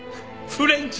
フレンチ！